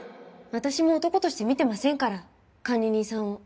私も男として見てませんから管理人さんを。